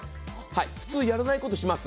普通やらないこと、します。